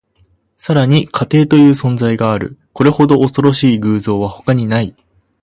さらに、家庭という存在がある。これほど恐ろしい偶像は他にない。